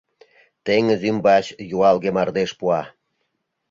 Теҥыз ӱмбач юалге мардеж пуа.